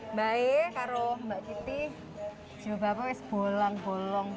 mbak giptea mungkin tak mau przypersih dalam dunia